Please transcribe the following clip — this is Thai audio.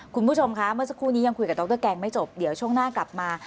คุณผู้ชมคะเมื่อสักครู่นี้ยังคุยกับดรแกงไม่จบเดี๋ยวช่วงหน้ากลับมา